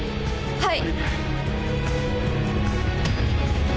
はい！